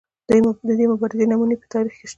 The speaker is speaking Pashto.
د دې مبارزې نمونې په تاریخ کې شته.